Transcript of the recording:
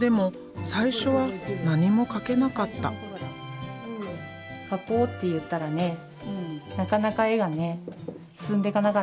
描こうって言ったらねなかなか絵がね進んでいかなかったんだよね。